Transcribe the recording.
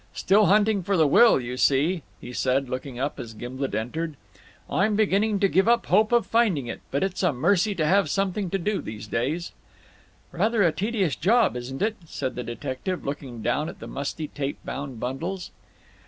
"Still hunting for the will, you see," he said, looking up as Gimblet entered, "I'm beginning to give up hope of finding it, but it's a mercy to have something to do these days." "Rather a tedious job, isn't it?" said the detective, looking down at the musty tape bound bundles.